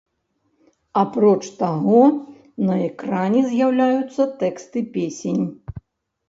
Апроч таго, на экране з'яўляюцца тэксты песень.